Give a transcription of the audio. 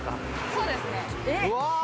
そうですね。